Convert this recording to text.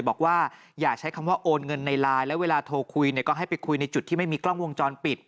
บอกว่าอย่าใช้คำว่าโอนเงินในไลน์แล้วเวลาโทรคุยก็ให้ไปคุยในจุดที่ไม่มีกล้องวงจรปิด